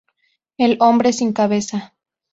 El hombre sin cabeza.